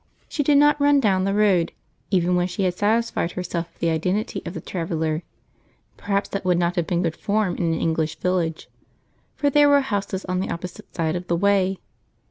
She did not run down the road, even when she had satisfied herself of the identity of the traveller; perhaps that would not have been good form in an English village, for there were houses on the opposite side of the way.